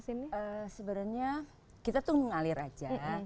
sebenarnya kita tuh mengalir aja